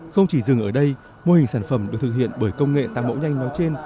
không chỉ dừng ở đây mô hình sản phẩm được thực hiện bởi công nghệ tạo mẫu nhanh nói trên